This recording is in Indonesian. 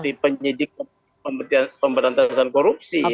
dalam arti penyidik pemberantasan korupsi ya